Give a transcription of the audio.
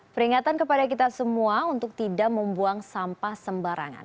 peringatan kepada kita semua untuk tidak membuang sampah sembarangan